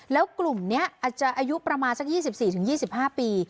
แล้วกลุ่มนี้อาจจะอายุประมาณสัก๒๔๒๕ปี